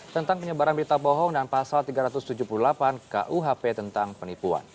tentang penyebaran berita bohong dan pasal tiga ratus tujuh puluh delapan kuhp tentang penipuan